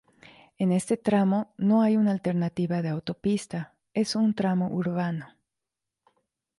En este tramo no hay alternativa de autopista; es un tramo urbano.